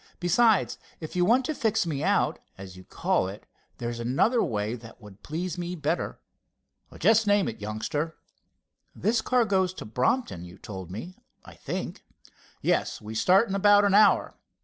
"Besides, if you want to fix me out, as you call it, there's another way that would please me better." "Just name it, youngster." "This car goes to Brompton you told me, I think?" "Yes, we start in about an hour."